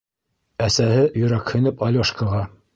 Әсәһе йөрәкһенеп Алёшкаға: